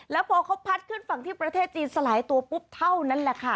แล้วพอเขาพัดขึ้นฝั่งที่ประเทศจีนสลายตัวปุ๊บเท่านั้นแหละค่ะ